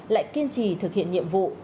lại kiên trì thực hiện nhiệm vụ